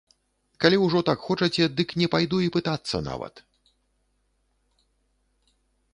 Калі ўжо так хочаце, дык не пайду і пытацца нават.